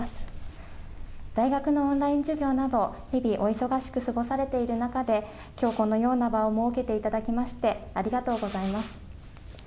大学のオンライン授業など、日々お忙しく過ごされている中で、きょう、このような場を設けていただきまして、ありがとうございます。